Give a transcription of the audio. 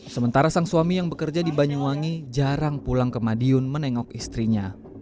sementara sang suami yang bekerja di banyuwangi jarang pulang ke madiun menengok istrinya